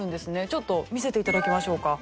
ちょっと見せて頂きましょうか。